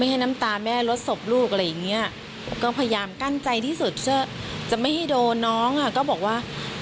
อะไรอย่างเงี้ยก็พยายามกั้นใจที่สุดเจ้อจะไม่ให้โดนน้องอ่ะก็บอกว่า